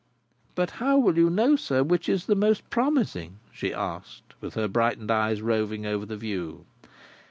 "But how will you know, sir, which is the most promising?" she asked, with her brightened eyes roving over the view.